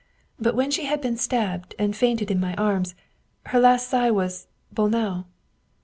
But when she had been stabbed and fainted in my arms, her last sigh was Bolnau."